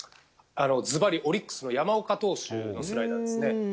ズバリオリックスの山岡投手のスライダーですね。